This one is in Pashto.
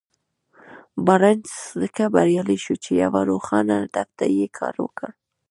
بارنس ځکه بريالی شو چې يوه روښانه هدف ته يې کار وکړ.